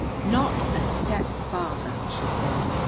"Not a step farther!" she said.